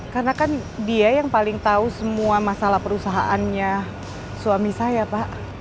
karena kan dia yang paling tahu semua masalah perusahaannya suami saya pak